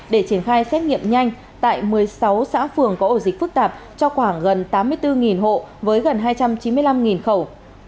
để triển khai xét nghiệm nhanh tại một mươi sáu xã phường có ổ dịch phức tạp cho khoảng gần tám mươi bốn hộ với gần hai trăm chín mươi năm khẩu